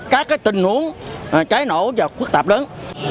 các cái tình huống trái nổ và khuất tạp lớn